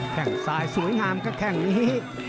แข่งสายสวยงามกับแข่งนี้